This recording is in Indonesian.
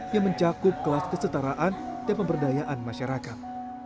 yang mencakup kelas kesetaraan dan pemberdayaan masyarakat